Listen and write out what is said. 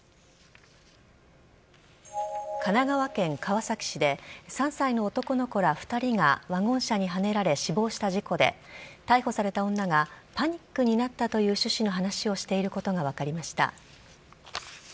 神奈川県川崎市で、３歳の男の子ら２人がワゴン車にはねられ死亡した事故で、逮捕された女が、パニックになったという趣旨の話をしていることが分かりました。